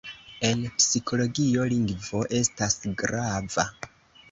En psikologio lingvo estas grava.